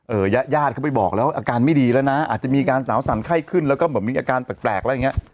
ญาติญาติเขาไปบอกแล้วอาการไม่ดีแล้วนะอาจจะมีการสาวสั่นไข้ขึ้นแล้วก็เหมือนมีอาการแปลกอะไรอย่างเงี้ย